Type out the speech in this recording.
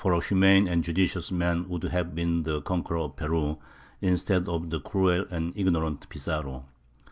a humane and judicious man would have been the conqueror of Peru, instead of the cruel and ignorant Pizarro."